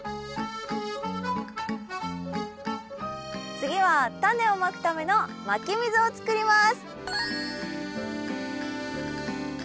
次はタネをまくためのまき溝をつくります。